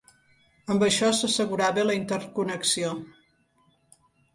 Amb això s'assegurava la interconnexió.